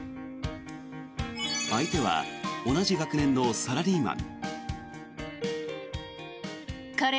相手は同じ学年のサラリーマン。